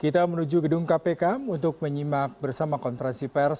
kita menuju gedung kpk untuk menyimak bersama konferensi pers